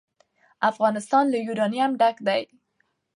افغانستان له یورانیم ډک دی.